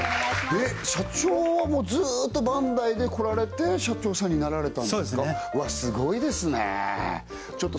社長はもうずっとバンダイでこられて社長さんになられたんですかそうですねわっ